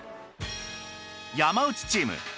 山内チーム